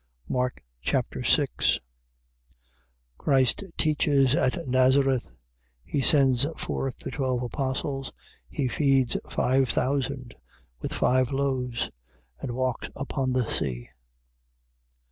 Mark Chapter 6 Christ teaches at Nazareth: he sends forth the twelve apostles: he feeds five thousand with five loaves; and walks upon the sea.